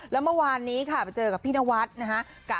แล้วเมื่อวานนี้ค่ะไปเจอกับพี่นวัดนะฮะ